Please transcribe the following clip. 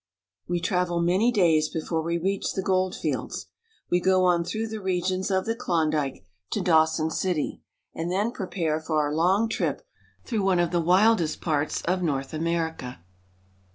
We travel many days before we reach the gold fields. We go on through the regions of the Klondike to Dawson City, and then prepare for our long trip through one of the wildest parts of North America.